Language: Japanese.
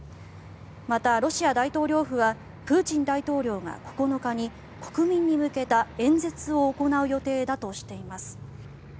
また、ロシア大統領府はプーチン大統領が９日に国民に向けた演説を行う予定だとしています。